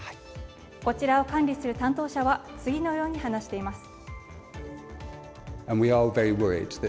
こちらを管理する担当者は次のように話しています。